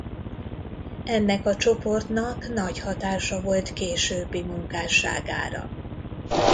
Ennek a csoportnak nagy hatása volt későbbi munkásságára.